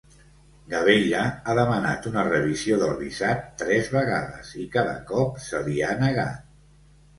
Gabeira ha demanat una revisió del visat tres vegades i cada cop se l'hi ha negat.